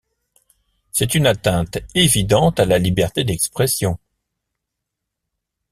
C'est une atteinte évidente à la liberté d'expression.